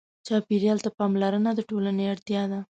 چاپېریال ته پاملرنه د ټولنې اړتیا ده.